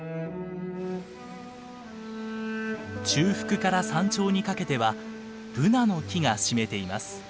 中腹から山頂にかけてはブナの木が占めています。